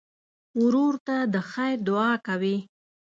ورور ته د خیر دعا کوې.